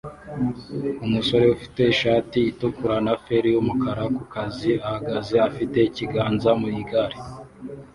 Umusore ufite ishati itukura na feri yumukara ku kazi ahagaze afite ikiganza mu igare